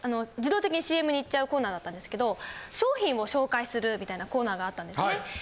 自動的にＣＭにいっちゃうコーナーだったんですけど商品を紹介するみたいなコーナーがあったんですね。